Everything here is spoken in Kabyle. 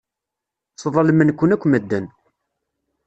Sḍelmen-ken akk medden.